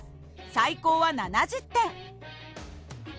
最高は７０点。